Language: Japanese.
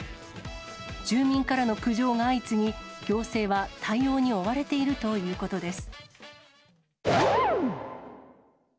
住民からの苦情が相次ぎ、行政は対応に追われているということです。